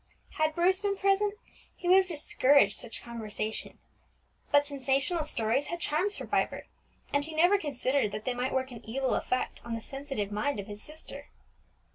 Had Bruce been present, he would have discouraged such conversation; but sensational stories had charms for Vibert, and he never considered that they might work an evil effect on the sensitive mind of his sister.